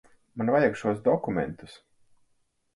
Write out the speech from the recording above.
Man vajag šos dokumentus.